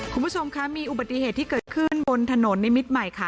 คุณผู้ชมคะมีอุบัติเหตุที่เกิดขึ้นบนถนนนิมิตรใหม่ค่ะ